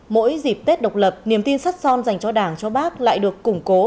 mỗi dịp tết độc lập niềm tin sắt son dành cho đảng cho bác lại được củng cố